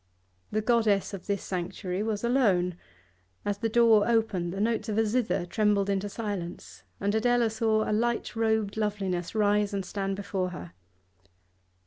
The goddess of this sanctuary was alone; as the door opened the notes of a zither trembled into silence, and Adela saw a light robed loveliness rise and stand before her.